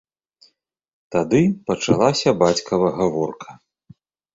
Тады пачалася бацькава гаворка.